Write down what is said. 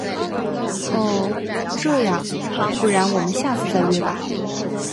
哦……这样，不然我们下次再约吧。